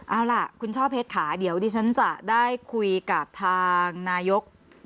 เอาล่ะคุณช่อเพชรค่ะเดี๋ยวดิฉันจะได้คุยกับทางนายก